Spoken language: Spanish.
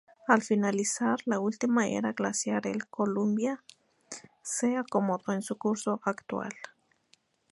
Al finalizar la última era glaciar el Columbia se acomodó en su curso actual.